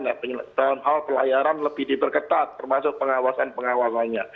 dalam hal pelayaran lebih diberketat termasuk pengawasan pengawasannya